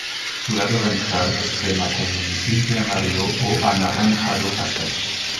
Su lado ventral es crema con un tinte amarillo o anaranjado pastel.